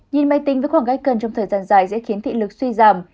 nhìn máy tính với khoảng cách cần trong thời gian dài sẽ khiến thị lực suy giảm